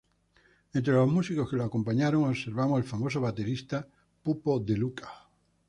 Entre los músicos que lo acompañaron observamos el famoso baterista Pupo De Luca.